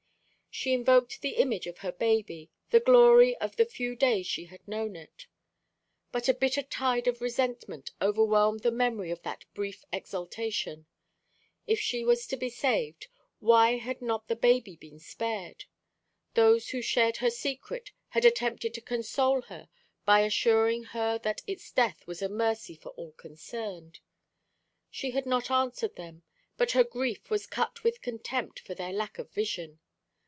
She invoked the image of her baby, the glory of the few days she had known it. But a bitter tide of resentment overwhelmed the memory of that brief exaltation. If she was to be saved, why had not the baby been spared? Those who shared her secret had attempted to console her by assuring her that its death was a mercy for all concerned. She had not answered them; but her grief was cut with contempt for their lack of vision.